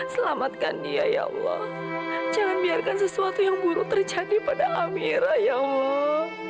selamatkan dia ya allah jangan biarkan sesuatu yang buruk terjadi pada amira ya allah